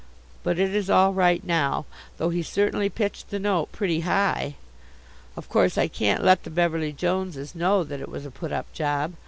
But it is all right now, though he certainly pitched the note pretty high. Of course I can't let the Beverly Joneses know that it was a put up job.